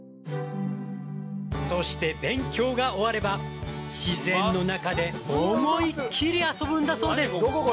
そして勉強が終われば自然の中で思いっ切り遊ぶんだそうです。